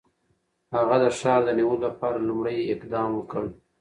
هغه د ښار د نیولو لپاره لومړی اقدام وکړ.